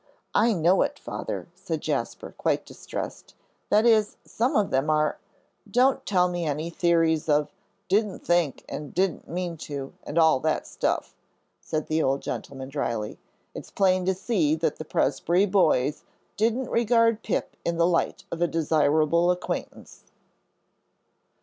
I know it, Father," said Jasper, quite distressed; "that is, some of them are " "Don't tell any theories of 'didn't think,' and 'didn't mean to,' and all that stuff," said the old gentleman, dryly; "it's plain to see that the Presbrey boys didn't regard Pip in the light of a desirable acquaintance."